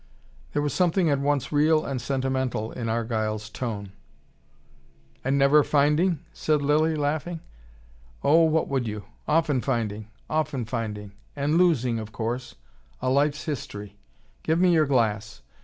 There was something at once real and sentimental in Argyle's tone. "And never finding?" said Lilly, laughing. "Oh, what would you? Often finding. Often finding. And losing, of course. A life's history. Give me your glass.